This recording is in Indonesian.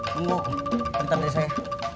tunggu temen temen saya